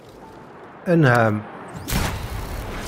Anεam.